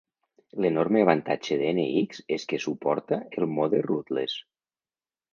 L'enorme avantatge de NX és que suporta el mode "rootless".